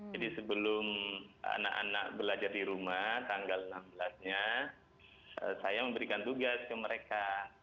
jadi sebelum anak anak belajar di rumah tanggal enam belas nya saya memberikan tugas ke mereka